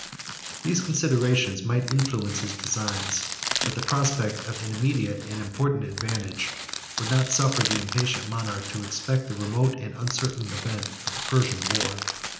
74 These considerations might influence his designs; but the prospect of an immediate and important advantage would not suffer the impatient monarch to expect the remote and uncertain event of the Persian war.